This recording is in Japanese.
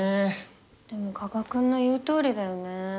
でも加鹿君の言うとおりだよね。